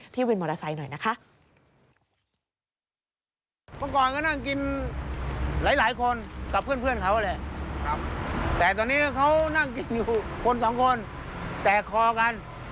วินมอเตอร์ไซค์หน่อยนะคะ